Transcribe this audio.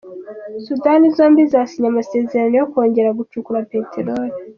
Sudani zombi zasinye amasezerano yo kongera gucukura peteroli